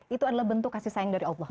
itu adalah bentuk kasih sayang dari allah